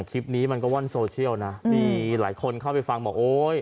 คลิปนี้มันก็ว่อนโซเชียลนะมีหลายคนเข้าไปฟังบอกโอ๊ย